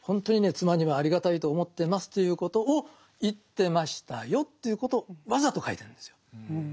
妻にはありがたいと思ってますということを言ってましたよということをわざと書いてるんですよ。